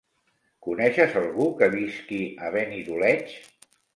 Coneixes algú que visqui a Benidoleig?